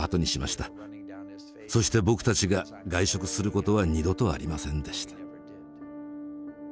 そして僕たちが外食することは二度とありませんでした。